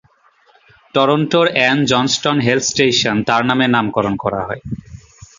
টরন্টোর Ann Johnston health station তার নামে নামকরণ করা হয়।